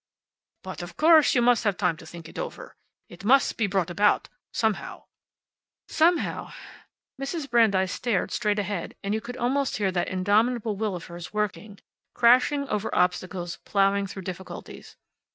"But of course you must have time to think it over. It must be brought about, somehow." "Somehow " Mrs. Brandeis stared straight ahead, and you could almost hear that indomitable will of hers working, crashing over obstacles, plowing through difficulties.